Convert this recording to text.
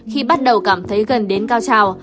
khi bắt đầu cảm thấy gần đến cao trào